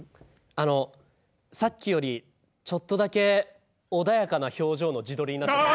あのさっきよりちょっとだけ穏やかな表情の自撮りになってます。